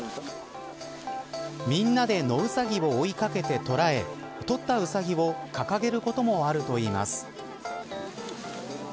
みんなで野ウサギを追い掛けて捕らえ取ったウサギを掲げることもあるといいます。